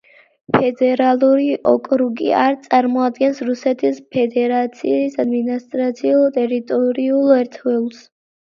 ფედერალური ოკრუგი არ წარმოადგენს რუსეთის ფედერაციის ადმინისტრაციულ-ტერიტორიულ ერთეულს.